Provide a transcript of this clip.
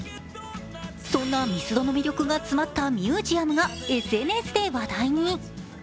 そんなミスドの魅力が詰まったミュージアムがＳＮＳで話題に。